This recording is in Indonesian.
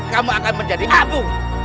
kamu akan menjadi abu